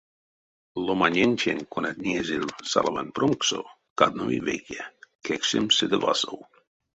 Ломанентень, кона неезель салавань промкссо, каднови вейке: кекшемс седе васов.